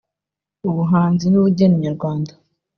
ubuhanzi n’ubugeni nyarwanda